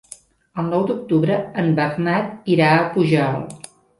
El nou d'octubre en Bernat irà a Pujalt.